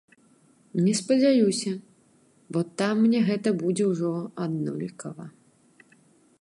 Не спадзяюся, бо там мне гэта будзе ўжо аднолькава.